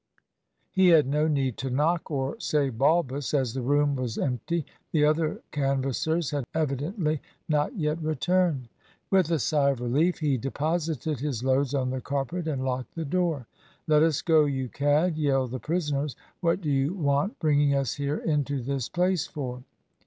He had no need to knock, or say "Balbus," as the room was empty. The other canvassers had evidently not yet returned. With a sigh of relief he deposited his loads on the carpet and locked the door. "Let us go, you cad!" yelled the prisoners. "What do you want bringing us here into this place for?"